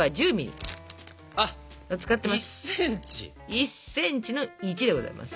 １ｃｍの「イチ」でございます。